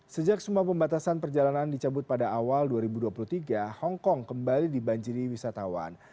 sejak semua pembatasan perjalanan dicabut pada awal dua ribu dua puluh tiga hongkong kembali dibanjiri wisatawan